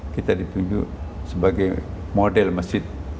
kita ditunjuk sebagai model masjid